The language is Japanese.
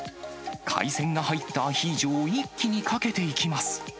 海鮮が入ったアヒージョを一気にかけていきます。